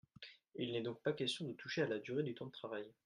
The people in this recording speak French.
Il n’est donc pas question de toucher à la durée du temps de travail.